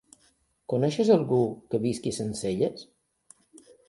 Coneixes algú que visqui a Sencelles?